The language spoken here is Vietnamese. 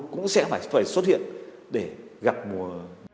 cũng sẽ phải xuất hiện để gặp mùa